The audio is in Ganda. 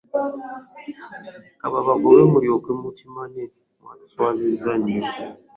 Ka babagobe mulyoke mukimanye, mwatuswazizza nnyo.